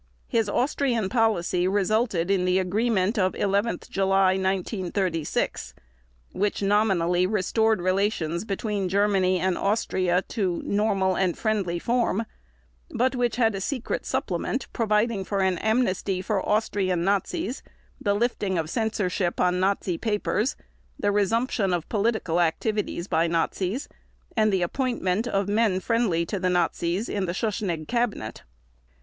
His Austrian policy resulted in the agreement of 11 July 1936, which nominally restored relations between Germany and Austria to "normal and friendly form", but which had a secret supplement providing for an amnesty for Austrian Nazis, the lifting of censorship on Nazi papers, the resumption of political activities by Nazis and the appointment of men friendly to the Nazis in the Schuschnigg Cabinet.